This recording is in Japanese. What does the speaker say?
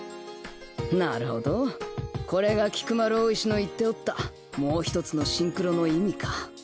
なるほどこれが菊丸大石の言っておったもうひとつのシンクロの意味か